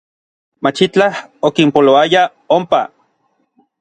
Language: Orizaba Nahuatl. Machitlaj okinpoloaya onpa.